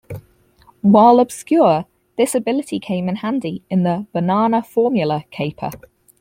While obscure, this ability came in handy in the "Banana Formula" caper.